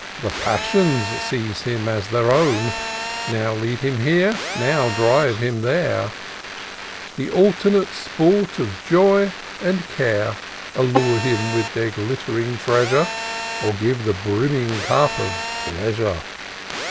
The Passions seize him as their own ; Now lead him here, now drive him there, The alternate sport of Joy and Care ; Allure him with their glitt'ring treasure, Or give the brimming cup of pleasure; IN SEARCH OF THE PICTURESQUE.